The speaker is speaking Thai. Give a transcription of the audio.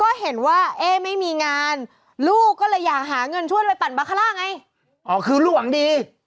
โอ้โหแม่ฟ้องสวนกลับพันที